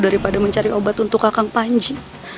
apakah tempur kita akan muti